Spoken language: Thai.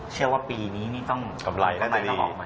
เชื่อว่าปีนี้นี่ต้องกำไรต้องออกมาดี